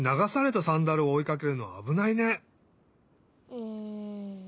うん。